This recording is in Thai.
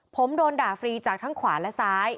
ผมโดนด่าฟรีจากทั้งขวาและซ้าย